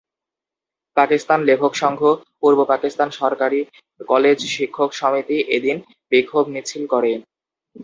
পাকিস্তান লেখক সংঘ, পূর্ব পাকিস্তান সরকারি কলেজ শিক্ষক সমিতি এদিন বিক্ষোভ মিছিল করে।